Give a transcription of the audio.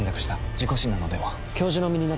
事故死なのでは？